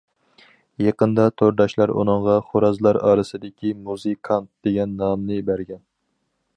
يېقىندا تورداشلار ئۇنىڭغا خورازلار ئارىسىدىكى مۇزىكانت دېگەن نامنى بەرگەن.